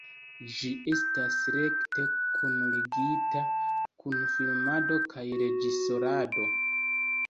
Ĝi estas rekte kunligita kun filmado kaj reĝisorado.